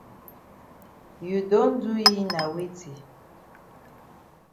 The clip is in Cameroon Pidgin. You don do yi na weti?